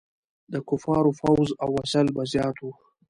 د کفارو فوځ او وسایل به زیات وو.